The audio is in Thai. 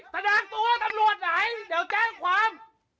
แสดงตัวตำรวจไหนเดี๋ยวแจ้งความ